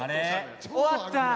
終わった！